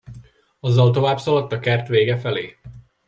Azzal továbbszaladt a kert vége felé.